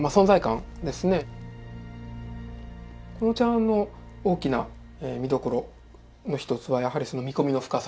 この茶碗の大きな見どころの一つはやはり見込みの深さですね。